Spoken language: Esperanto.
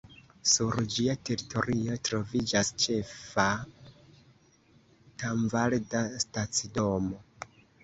Sur ĝia teritorio troviĝas ĉefa tanvalda stacidomo.